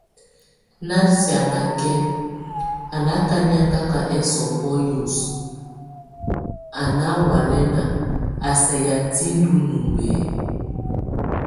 Nasianakɛn, a nákaniakak esɔbɔ́ yɔ́s, a ná hɔalɛnak, a sɛk yatɛ́ ndunumb e?